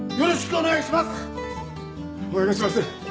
お願いします！